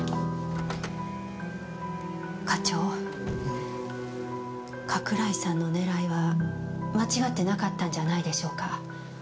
課長加倉井さんの狙いは間違ってなかったんじゃないでしょうか。